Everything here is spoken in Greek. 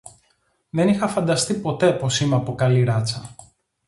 Δεν είχα φανταστεί ποτέ πως είμαι από καλή ράτσα